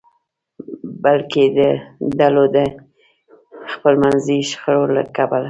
بلکې د ډلو د خپلمنځي شخړو له کبله.